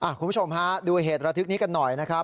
คุณผู้ชมฮะดูเหตุระทึกนี้กันหน่อยนะครับ